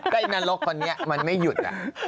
ก็อินแนรกคนนี้มันไม่หยุดครับ